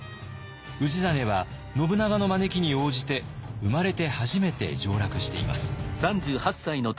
氏真は信長の招きに応じて生まれて初めて上洛しています。